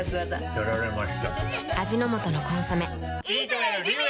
やられました。